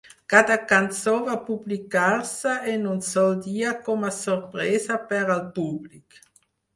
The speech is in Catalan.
Cada cançó va publicar-se en un sol dia com a sorpresa per al públic.